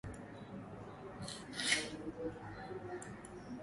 Moja kati ya vivutio vya Zanzibar ni jengo la beit Al Jain